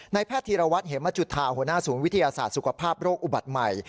แพทย์ธีรวัตรเหมจุธาหัวหน้าศูนย์วิทยาศาสตร์สุขภาพโรคอุบัติใหม่